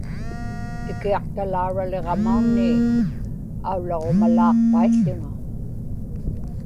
ikiaqtalauraliġamaunnii aullaġumalaaqpaił̣ł̣uŋa